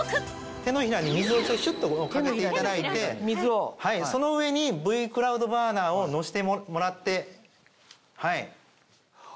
手のひらに水をシュっとかけていただいてその上にＶ−ｃｌｏｕｄｂｕｒｎｅｒをのせてもらって。